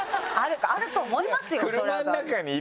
あると思いますよそれは。